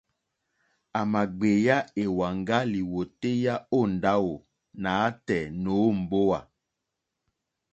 À mà gbèyá èwàŋgá lìwòtéyá ó ndáwò nǎtɛ̀ɛ̀ nǒ mbówà.